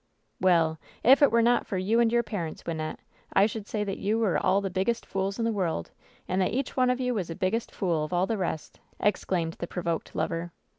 "Well ! If it were not you and your parents, Wyn nette, I should say that you were all the biggest fools in 283 WHEN SHADOWS DIE the world, and that each one of you was the biggest fool of all the rest !'' exclaimed the provoked lover.